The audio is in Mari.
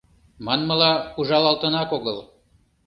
Манмыла, ужалтынак огыл.